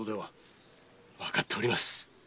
わかっております。